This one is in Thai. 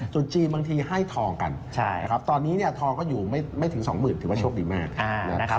จุจจีนบางทีให้ทองกันตอนนี้ทองก็อยู่ไม่ถึง๒หมื่นถือว่าโชคดีมาก